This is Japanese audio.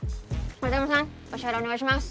風真さんお支払いお願いします。